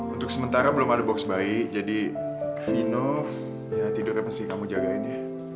untuk sementara belum ada box bayi jadi mino ya tidurnya masih kamu jagain ya